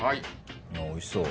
おいしそう。